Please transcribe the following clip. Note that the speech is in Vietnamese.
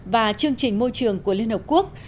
và chương trình môi trường của liên hợp quốc